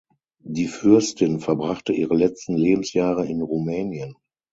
Die Fürstin verbrachte ihre letzten Lebensjahre in Rumänien.